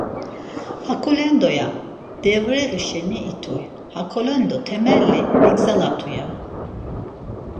Hakolendo, ya; Devreği şeni it̆uy, hakolendo temelli vigzalatu, ya.